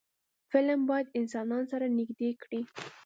فلم باید انسانان سره نږدې کړي